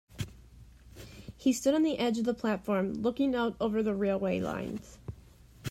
He stood on the edge of the platform, looking out over the railway lines.